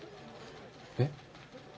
えっ？